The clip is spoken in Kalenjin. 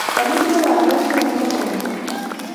Kanunyo pandechu akopo ropta